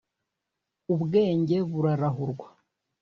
Ubwenge burarahurwa